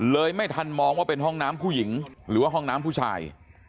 ไม่ทันมองว่าเป็นห้องน้ำผู้หญิงหรือว่าห้องน้ำผู้ชาย